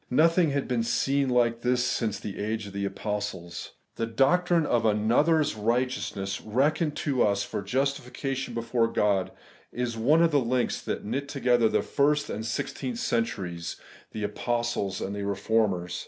Nothing had been seen like tliis since the age of apostles. The doctrine of another's righteousness reckoned to us for justification before God is one of the links that knit together the first and the sixteenth cen turies, the Apostles and the Eeformers.